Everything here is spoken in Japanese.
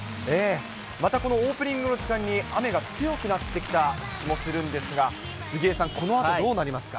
またこのオープニングの時間に雨が強くなってきた気もするんですが、杉江さん、このあとどうなりますか。